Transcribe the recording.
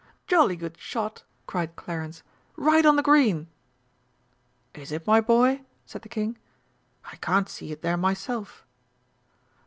"Jolly good shot!" cried Clarence. "Right on the green!" "Is it, my boy?" said the King. "I can't see it there myself."